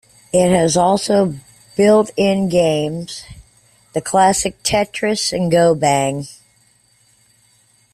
It also has built-in games, the classic Tetris and GoBang.